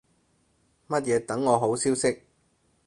乜嘢等我好消息